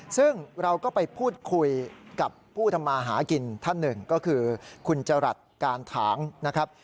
ซึ่งเราก็ไปพูดคุยกับผู้ทำมาหากินท่านหนึ่งก็คือคุณจรัสการถางนะครับ